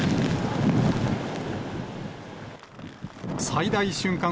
最大瞬間